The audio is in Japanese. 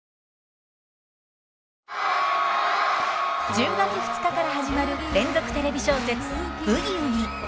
１０月２日から始まる連続テレビ小説「ブギウギ」。